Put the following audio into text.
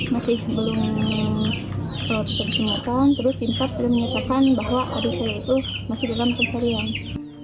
masih belum disembuhkan terus cinta sudah menyatakan bahwa adik saya itu masih dalam pencarian